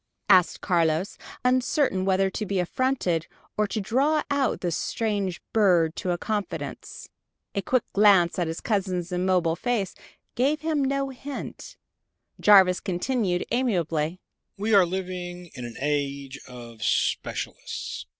asked Carlos, uncertain whether to be affronted or to draw out this strange bird to a confidence. A quick glance at his cousin's immobile face gave him no hint. Jarvis continued amiably. "We are living in an age of specialists.